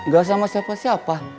gak sama siapa siapa